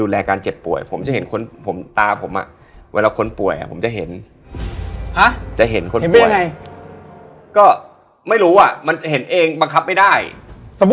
แล้วเหมือนทุกคนก็เตือนกันแล้ว